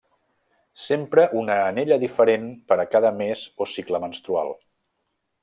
S'empra una anella diferent per a cada mes o cicle menstrual.